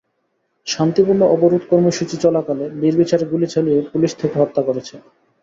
শান্তিপূর্ণ অবরোধ কর্মসূচি চলাকালে নির্বিচারে গুলি চালিয়ে পুলিশ তাঁকে হত্যা করেছে।